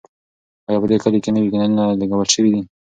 ایا په دې کلي کې نوي نلونه لګول شوي دي؟